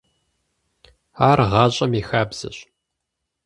Ар гъащӏэм и хабзэщ.